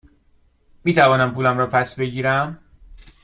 می توانم پولم را پس بگیرم؟